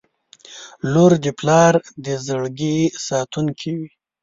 • لور د پلار د زړګي ساتونکې وي.